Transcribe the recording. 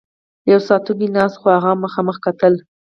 یو ساتونکی ناست و، خو هغه هم مخامخ کتل.